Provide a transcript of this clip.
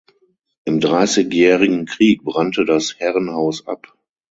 Im Dreißigjährigen Krieg brannte das Herrenhaus ab.